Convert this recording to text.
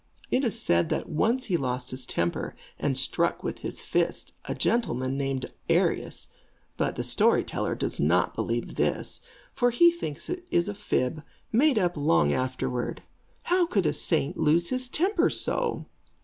It is said that once he lost his temper, and struck with his fist a gentleman named Arius; but the story teller does not believe this, for he thinks it is a fib, made up long afterward. How could a saint lose his temper so?